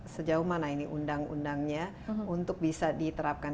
sejauh mana ini undang undangnya untuk bisa diterapkan